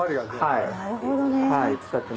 なるほどね。